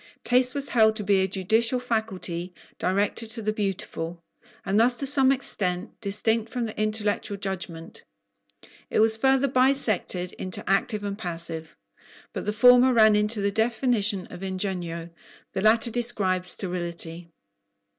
Taste was held to be a judicial faculty, directed to the beautiful, and thus to some extent distinct from the intellectual judgment. It was further bisected into active and passive; but the former ran into the definition of "ingegno," the latter described sterility.